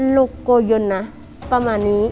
ลูกโกยนนะประมาณนี้